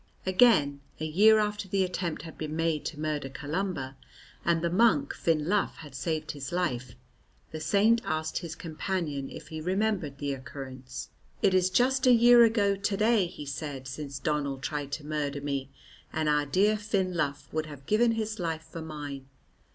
Again, a year after the attempt had been made to murder Columba and the monk Finn Lugh had saved his life, the Saint asked his companion if he remembered the occurrence. "It is just a year ago to day," he said, "since Donnell tried to murder me, and our dear Finn Lugh would have given his life for mine.